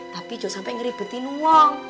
tapi juga sampe ngerebutin uang